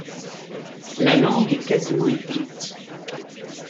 La langue est quasiment éteinte.